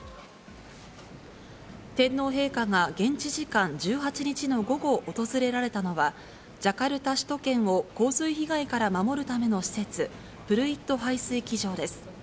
天皇陛下が現地時間１８日の午後、訪れられたのは、ジャカルタ首都圏を洪水被害から守るための施設、プルイット排水機場です。